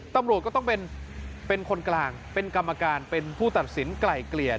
ตำรวจก็ต้องเป็นคนกลางเป็นกรรมการเป็นผู้ตัดสินไกล่เกลี่ย